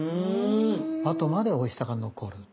あとまでおいしさが残る。